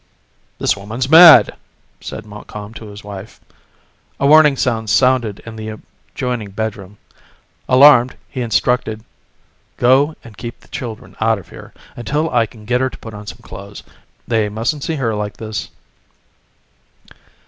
"The woman's mad," said Montcalm to his wife. A warning noise sounded in the adjoining bedroom. Alarmed, he instructed: "Go and keep the children out of here until I can get her to put on some clothes. They mustn't see her like this."